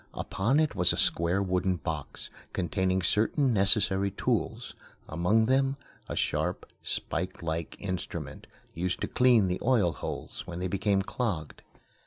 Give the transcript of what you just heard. Upon it was a square wooden box, containing certain necessary tools, among them a sharp, spike like instrument, used to clean the oil holes when they became clogged.